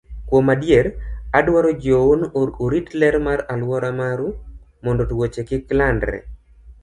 Kuom adier, adwaro jiwou ni urit ler mar alwora maru mondo tuoche kik landre.